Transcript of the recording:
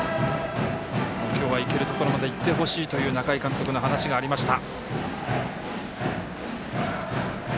今日はいけるところまでいってほしいという中井監督の話がありました。